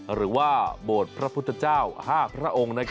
หรือว่าโบสถ์พระพุทธเจ้า๕พระองค์